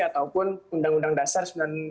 ataupun undang undang dasar